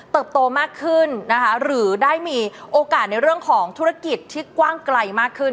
โตมากขึ้นนะคะหรือได้มีโอกาสในเรื่องของธุรกิจที่กว้างไกลมากขึ้น